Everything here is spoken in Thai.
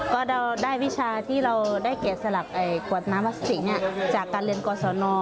ก็เราได้วิชาที่เราได้แก่สลักขวดน้ำพลาสติกจากการเรียนกศน